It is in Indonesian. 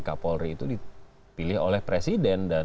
kapolri itu dipilih oleh presiden